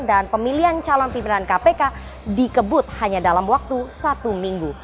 dan pemilihan calon pimpinan kpk dikebut hanya dalam waktu satu minggu